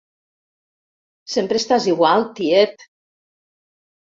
Sempre estàs igual, tiet!